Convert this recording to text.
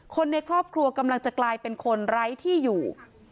คนในครอบครัวกำลังจะกลายเป็นคนไร้ที่อยู่